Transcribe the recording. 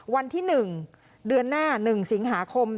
วันที่๑เดือนหน้า๑สิงหาคม